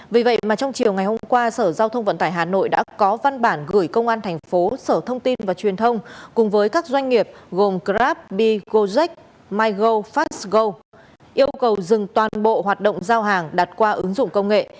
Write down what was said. vì vậy mà trong chiều ngày hôm qua sở giao thông vận tải hà nội đã có văn bản gửi công an thành phố sở thông tin và truyền thông cùng với các doanh nghiệp gồm grab bigojec migo fastgo yêu cầu dừng toàn bộ hoạt động giao hàng đặt qua ứng dụng công nghệ